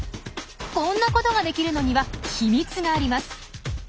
こんなことができるのには秘密があります。